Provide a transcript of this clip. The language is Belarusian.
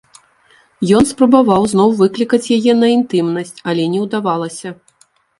Ён спрабаваў зноў выклікаць яе на інтымнасць, але не ўдавалася.